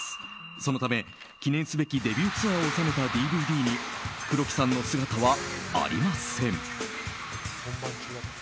そのため記念すべきデビューツアーを収めたＤＶＤに黒木さんの姿はありません。